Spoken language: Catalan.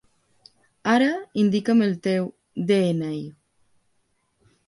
Ara indica'm el teu de-ena-i.